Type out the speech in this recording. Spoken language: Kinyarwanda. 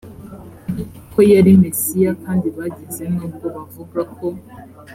ko yari mesiya kandi bageze nubwo bavuga ko